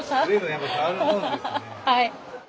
はい。